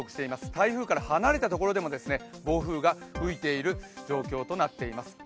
台風から離れたところでも暴風が吹いている状況となっています。